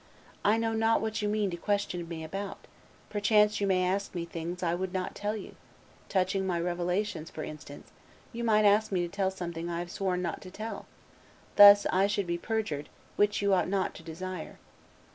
"I know not what you mean to question me about; perchance you may ask me things I would not tell you; touching my revelations, for instance, you might ask me to tell something I have sworn not to tell; thus I should be perjured, which you ought not to desire."